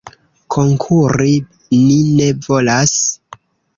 Konkuri ni ne volas.